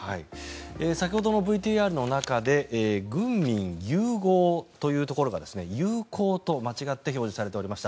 先ほどのＶＴＲの中で軍民融合というところが友好と間違って表示されておりました。